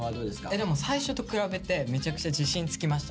でも最初と比べてめちゃくちゃ自信つきました。